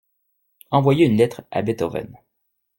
Envoyer une lettre à Beethoven.